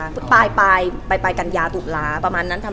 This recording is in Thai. เดี๋ยวก็ไปตอนความสัมภัณฑ์ของเราทั้งคู่มันเริ่มยังไง